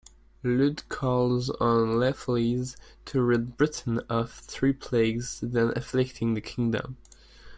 Lludd calls on Llefelys to rid Britain of three plagues then afflicting the kingdom.